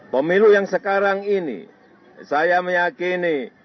pemilu yang sekarang ini saya meyakini